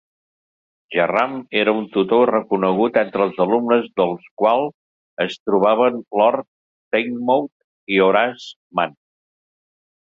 Jerram era un tutor reconegut entre els alumnes del qual es trobaven Lord Teignmouth i Horace Mann.